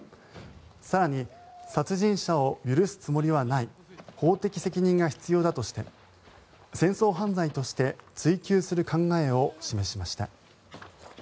更に、殺人者を許すつもりはない法的責任が必要だとして戦争犯罪として追及する考えを示しました。